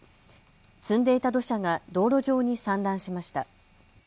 積んでいた土砂が道路上に散乱しました。